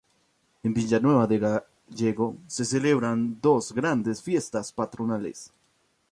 En Villanueva de Gállego se celebran dos grandes fiestas patronales.